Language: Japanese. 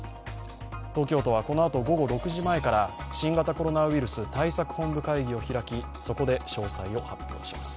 東京都はこのあと午後６時前から新型コロナウイルス対策本部会議を開きそこで詳細を発表します。